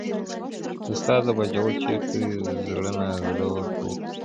استاده! باجوړ چېرته دی، زړه نازړه ورته وپوښتل.